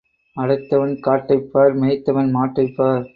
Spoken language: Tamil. அடைத்தவன் காட்டைப் பார் மேய்த்தவன் மாட்டைப் பார்.